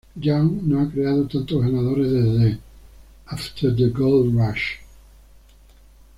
Young no ha creado tantos ganadores desde "After the Gold Rush".